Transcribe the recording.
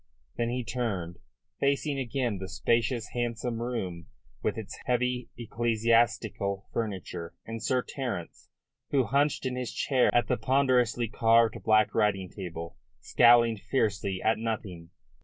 Then he turned, facing again the spacious, handsome room with its heavy, semi ecclesiastical furniture, and Sir Terence, who, hunched in his chair at the ponderously carved black writing table, scowled fiercely at nothing.